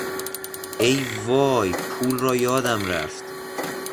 ای وای! پول را یادم رفت!